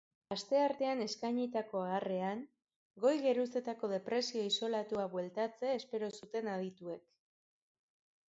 Astartean eskainitako oharrean, goi-geruzetako depresio isolatua bueltatzea espero zuten adituek.